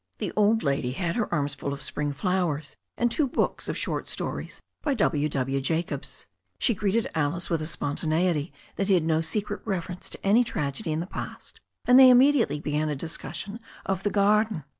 The old lady had her arms full of spring flowers and two books of short stories by W. W. Jacobs. She greeted Alice with a spontaneity that hid no secret reference to any trag edy in the past, and they immediately began a discussion of the garden.